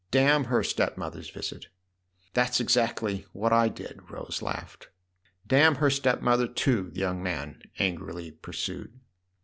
"Damn her stepmother's visit !" "That's exactly what I did !" Rose laughed. " Damn her stepmother too !" the young man angrily pursued.